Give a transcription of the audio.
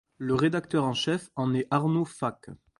Le rédacteur en chef en est Arnaud Faque.